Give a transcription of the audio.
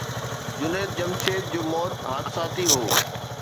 جنيد جمشيد جو موت حادثاتي هو.